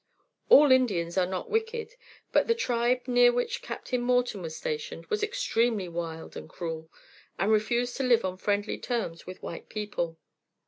All Indians are not wicked; but the tribe near which Captain Morton was stationed was extremely wild and cruel, and refused to live on friendly terms with white people.